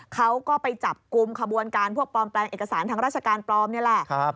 เขาก็ไปจับกลุ่มขบวนการพวกปลอมแปลงเอกสารทางราชการปลอมนี่แหละ